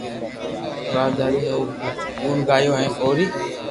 راھ جالين او رو گڻگايو ھين او ري